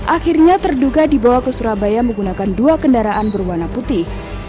akhirnya terduga dibawa ke surabaya menggunakan dua kendaraan berwarna putih